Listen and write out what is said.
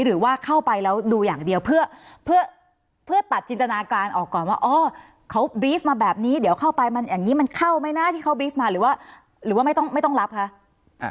หรือว่าเข้าไปแล้วดูอย่างเดียวเพื่อเพื่อตัดจินตนาการออกก่อนว่าอ๋อเขาบีฟมาแบบนี้เดี๋ยวเข้าไปมันอย่างนี้มันเข้าไหมนะที่เขาบีฟมาหรือว่าหรือว่าไม่ต้องไม่ต้องรับคะ